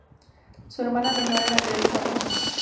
Su hermana menor era Grace Abbott.